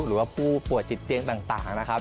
หรือว่าผู้ป่วยจิตเตียงต่างนะครับ